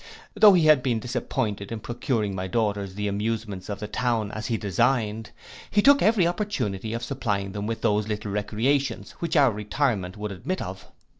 Though he had been disappointed in procuring my daughters the amusements of the town, as he designed, he took every opportunity of supplying them with those little recreations which our retirement would admit of.